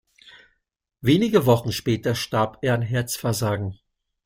Wenige Wochen später starb er an Herzversagen.